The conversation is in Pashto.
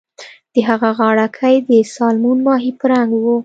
د هغه غاړه کۍ د سالمون ماهي په رنګ وه